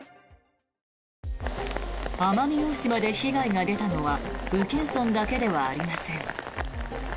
奄美大島で被害が出たのは宇検村だけではありません。